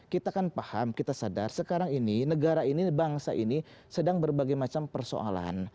kita kan paham kita sadar sekarang ini negara ini bangsa ini sedang berbagai macam persoalan